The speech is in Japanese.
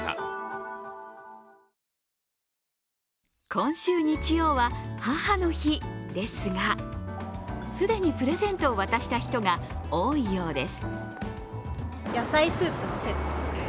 今週日曜は母の日ですが、既にプレゼントを渡した人が多いようです。